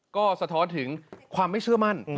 ก็สะท้อนถึงความไม่เชื่อมั่น